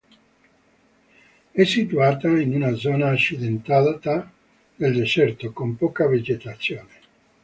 È situata in una zona accidentata del deserto, con poca vegetazione.